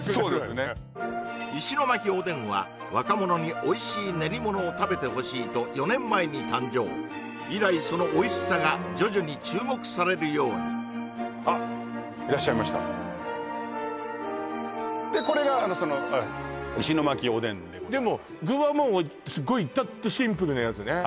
石巻おでんは若者においしい練り物を食べてほしいと４年前に誕生以来そのおいしさが徐々に注目されるようにあっいらっしゃいましたでこれがその石巻おでんでございますでも具はもうすごいいたってシンプルなやつね